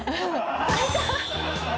開いた。